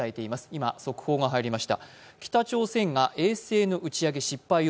今、速報が入りました。